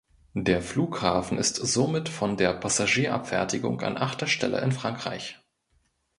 Der Flughafen ist somit von der Passagierabfertigung an achter Stelle in Frankreich.